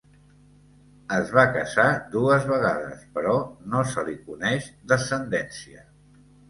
Es va casar dues vegades però no se li coneix descendència.